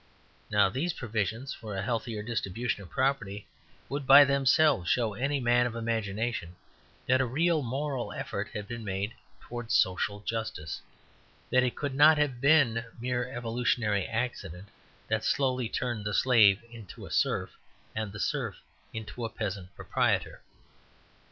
Now these provisions for a healthier distribution of property would by themselves show any man of imagination that a real moral effort had been made towards social justice; that it could not have been mere evolutionary accident that slowly turned the slave into a serf, and the serf into a peasant proprietor.